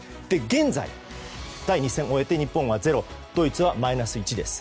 現在、第２戦を終えて日本は０ドイツはマイナス１です。